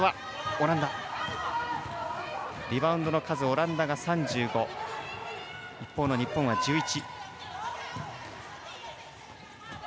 リバウンドの数オランダが３５一方の日本は１１。